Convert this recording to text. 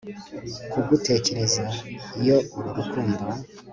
kugutekereza iyo uru rukundo